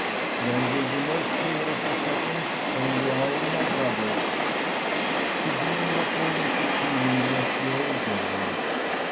' There will be no funeral procession, only I and my brothers.' The Dean looked almost appealingly at the old woman.